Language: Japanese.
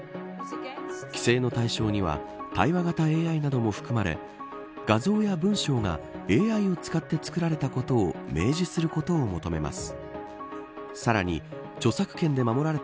規制の対象には対話型ＡＩなども含まれ画像や文章がＡＩを使って作られたことを明示することを求めます。